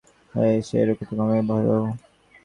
সে রুক্ষতা কেমন যেন ভয়াবহ।